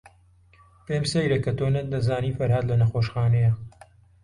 پێم سەیرە کە تۆ نەتدەزانی فەرھاد لە نەخۆشخانەیە.